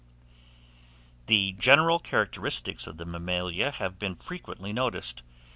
THE GENERAL CHARACTERISTICS OF THE MAMMALIA have been frequently noticed.